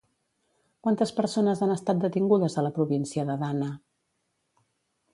Quantes persones han estat detingudes a la província d'Adana?